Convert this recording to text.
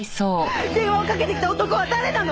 電話をかけてきた男は誰なの？